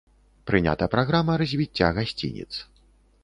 Прынята праграма развіцця гасцініц.